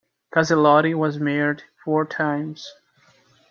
Caselotti was married four times.